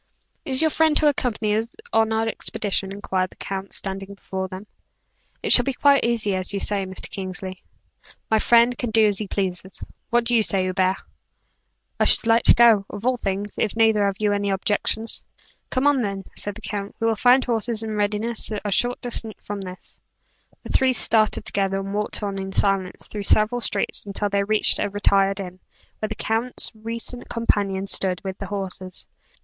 "Is your friend to accompany us on our expedition?" inquired the count, standing before them. "It shall be quite as you say, Mr. Kingsley." "My friend can do as he pleases. What do you say, Hubert?" "I should like to go, of all things, if neither of you have any objections." "Come on, then," said the count, "we will find horses in readiness a short distance from this." The three started together, and walked on in silence through several streets, until they reached a retired inn, where the count's recent companion stood, with the horses.